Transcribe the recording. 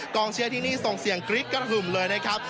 เชื่อที่นี่ส่งเสียงกรี๊ดกระหึ่มเลยนะครับ